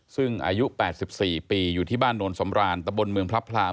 ซึ่งอายุ๘๔ปีอยู่ที่บ้านโนนสำรานตะบนเมืองพระพราม